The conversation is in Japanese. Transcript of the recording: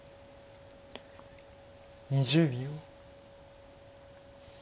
２０秒。